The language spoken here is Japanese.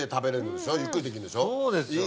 そうですよ。